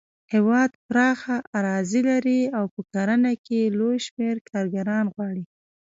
هېواد پراخه اراضي لري او په کرنه کې لوی شمېر کارګران غواړي.